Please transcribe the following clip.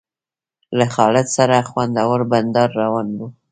له خالد سره خوندور بنډار روان و.